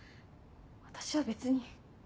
私は別に。